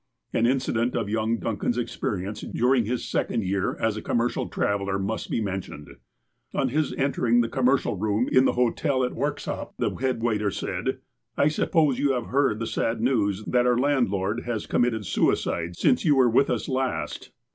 An incident of young Duncan's experience during his second year as a commercial traveller must be mentioned : On his entering the commercial room in the hotel at Worksop, the head waiter said :I suppose you have heard the sad news that our land lord has committed suicide since you were with us last